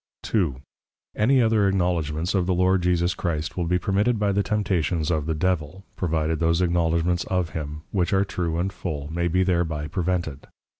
_ II. Any other acknowledgments of the Lord Jesus Christ, will be permitted by the Temptations of the Devil, provided those Acknowledgments of him, which are True and Full, may be thereby prevented.